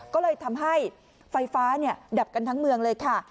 ก็เลยทำให้ไฟฟ้าดับกันทั้งเมืองเลยค่ะ